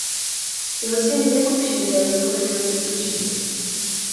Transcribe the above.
Jeho syn Jakub Šindel je hokejový útočník.